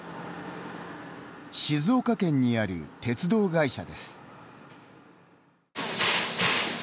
静岡県にある鉄道会社です。